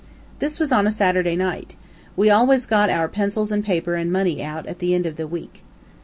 This was on a Saturday night. We always got our pencils and paper and money at the end of the week.